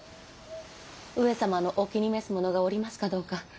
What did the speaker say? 上様のお気に召すものがおりますかどうか。